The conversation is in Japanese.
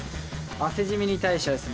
汗じみに対してはですね